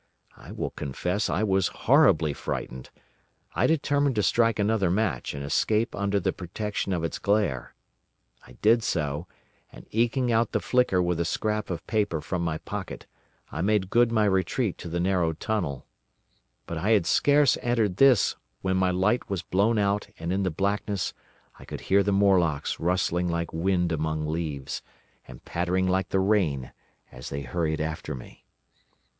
I will confess I was horribly frightened. I determined to strike another match and escape under the protection of its glare. I did so, and eking out the flicker with a scrap of paper from my pocket, I made good my retreat to the narrow tunnel. But I had scarce entered this when my light was blown out and in the blackness I could hear the Morlocks rustling like wind among leaves, and pattering like the rain, as they hurried after me.